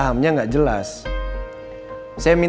bukan k selesai